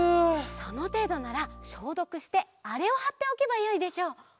そのていどならしょうどくしてあれをはっておけばよいでしょう。